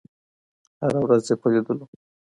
هره ورځ یې په لېدلو